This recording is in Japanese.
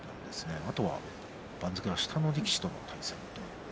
あとは番付は下の力士との対戦です。